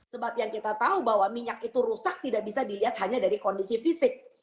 sebab yang kita tahu bahwa minyak itu rusak tidak bisa dilihat hanya dari kondisi fisik